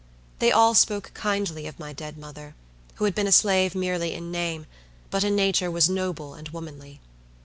They all spoke kindly of my dead mother, who had been a slave merely in name, but in nature was noble and womanly.